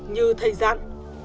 như thầy dặn